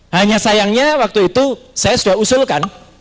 hanya sayangnya waktu itu saya sudah usulkan